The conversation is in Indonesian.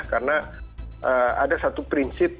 karena ada satu prinsip